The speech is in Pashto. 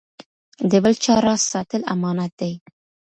د بل چا راز ساتل امانت دی.